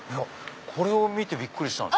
これを見てびっくりしたんです。